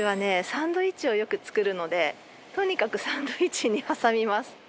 サンドイッチをよく作るのでとにかくサンドイッチに挟みます。